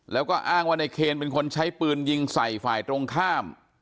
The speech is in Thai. แล้วก็อ้างว่าในเคนเป็นคนใช้ปืนยิงใส่ฝ่ายตรงข้าม